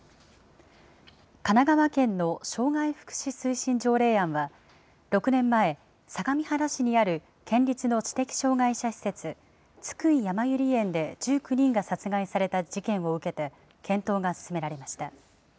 神奈川県の障害福祉推進条例案は、６年前、相模原市にある県立の知的障害者施設、津久井やまゆり園で１９人が殺害された事件を受けて検討が進められました。